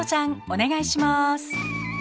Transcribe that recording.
お願いします。